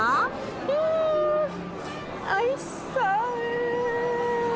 うんおいしそう！